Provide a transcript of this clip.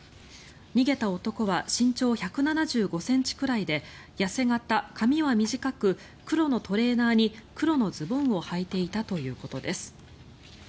逃げた男は身長１７５ｃｍくらいで痩せ形、髪は短く黒のトレーナーに、黒のズボンをはいていたということです。